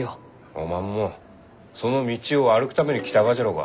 おまんもその道を歩くために来たがじゃろうが。